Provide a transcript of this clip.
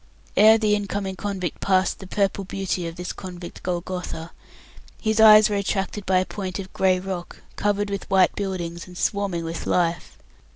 Ere the in coming convict passed the purple beauty of this convict Golgotha, his eyes were attracted by a point of grey rock covered with white buildings, and swarming with life.